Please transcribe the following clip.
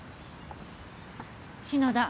篠田。